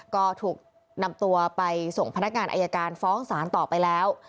ก็ถูกนำตัวไปส่งพนักงานอายการฟ้องศาลต่อไปแล้ว